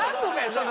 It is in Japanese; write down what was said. その。